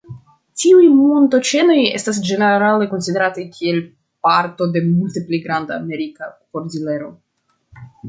Tiuj montoĉenoj estas ĝenerale konsiderataj kiel parto de multe pli granda Amerika kordilero.